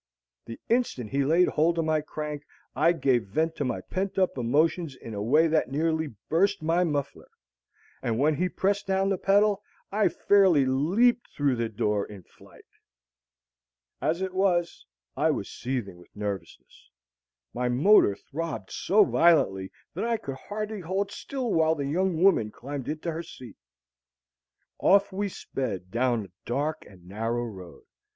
The instant he laid hold of my crank I gave vent to my pent up emotions in a way that nearly burst my muffler; and when he pressed down the pedal, I fairly leaped through the door in flight. As it was, I was seething with nervousness. My motor throbbed so violently that I could hardly hold still while the young woman climbed into her seat. Off we sped down a dark and narrow road.